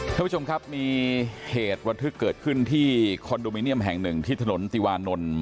ท่านผู้ชมครับมีเหตุระทึกเกิดขึ้นที่คอนโดมิเนียมแห่งหนึ่งที่ถนนติวานนท์